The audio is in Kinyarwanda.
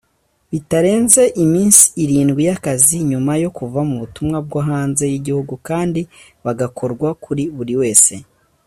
Bitarenze iminsi irindwi y’akazi nyuma yo kuva mubutumwa bwo hanze y’igihugu kandi bagakorwa kuri buri wese.